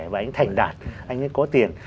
và anh ấy thành đạt anh ấy có tiền